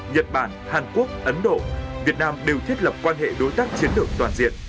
nhật bản hàn quốc ấn độ việt nam đều thiết lập quan hệ đối tác chiến lược toàn diện